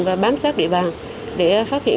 và bám sát địa bàn để phát hiện